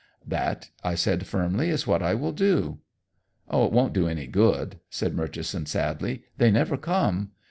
"That," I said firmly, "is what I will do." "It won't do any good," said Murchison sadly; "they never come.